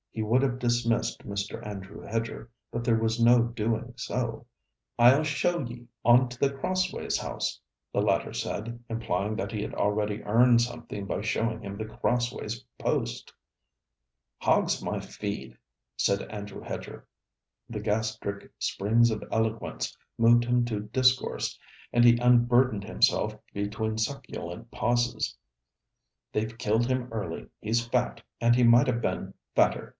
He would have dismissed Mr. Andrew Hedger, but there was no doing so. 'I'll show ye on to The Crossways House,' the latter said, implying that he had already earned something by showing him The Crossways post. 'Hog's my feed,' said Andrew Hedger. The gastric springs of eloquence moved him to discourse, and he unburdened himself between succulent pauses. 'They've killed him early. He 's fat; and he might ha' been fatter.